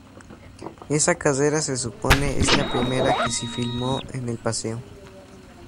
Esa carrera, se supone, es la primera que se filmó en el paseo.